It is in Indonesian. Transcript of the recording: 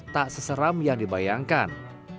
tak seseram yang dibayangkan